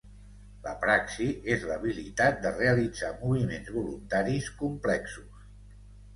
La praxi és l'habilitat de realitzar moviments voluntaris complexos.